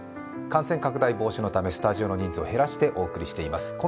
感染拡大防止のためスタジオの人数を減らしてお送りしています。